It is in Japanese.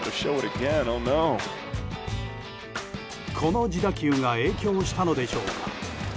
この自打球が影響したのでしょうか。